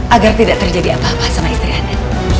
agar tidak terjadi apa apa sama istri anda